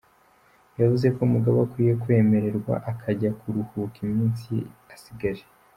Yavuze ko Mugabe akwiye kwemererwa akajya kuruhuka iminsi ye asigaje.